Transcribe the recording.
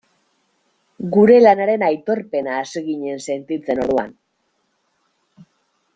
Gure lanaren aitorpena hasi ginen sentitzen orduan.